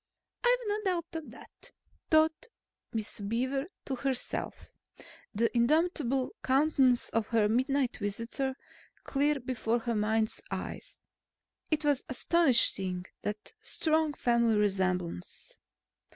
"I've no doubt of that," thought Miss Beaver to herself, the indomitable countenance of her midnight visitor clear before her mind's eye. It was astonishing, that strong family resemblance.